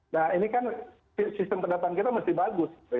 nah ini kan sistem pendapatan kita masih bagus